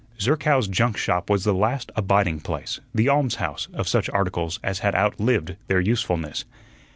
Zerkow's junk shop was the last abiding place, the almshouse, of such articles as had outlived their usefulness.